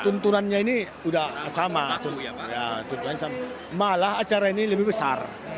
tuntunannya ini sudah sama malah acara ini lebih besar